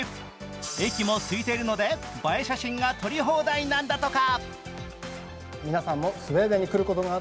駅も空いているので映え写真が撮り放題なんだとか。